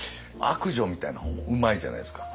悪女みたいな方もうまいじゃないですか。